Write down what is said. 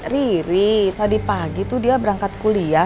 riri tadi pagi tuh dia berangkat kuliah